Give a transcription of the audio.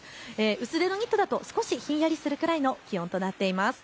薄手のニットだと少しひんやりするくらいの気温となっています。